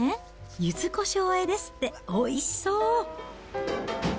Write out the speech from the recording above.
ゆずこしょうあえですって、おいしそう。